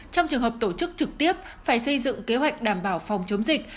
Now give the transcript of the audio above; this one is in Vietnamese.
trong trường hợp tổ chức trực tiếp phải xây dựng kế hoạch đảm bảo phòng chống dịch